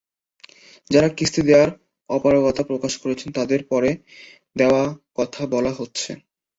যাঁরা কিস্তি দেওয়ায় অপারগতা প্রকাশ করছেন, তাঁদের পরে দেওয়ার কথা বলা হচ্ছে।